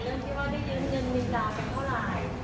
เรื่องที่ว่าได้ยืนเงินบินดาเท่าที่ไหน